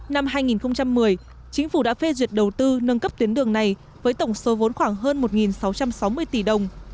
năm hai nghìn một mươi chính phủ đã phê duyệt đầu tư nâng cấp tuyến đường này với tổng số vốn khoảng hơn một sáu trăm sáu mươi tỷ đồng